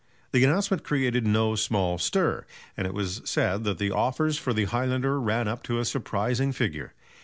The announcement created no small stir, and it was said that the offers for the highlander ran up to a surprising figure.